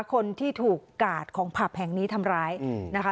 คนที่ถูกกาดของผับแห่งนี้ทำร้ายนะคะ